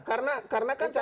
karena kan tadi sudah bilang